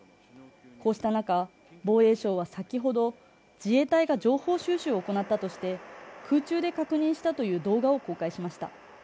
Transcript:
こうした中、防衛省は先ほど、自衛隊が情報収集を行ったとして、空中で確認したという動画を公開しました。